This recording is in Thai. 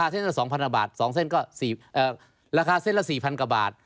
๒เส้นก็๔แรกราคาเส้นละ๔๐๐๐กว่าบาท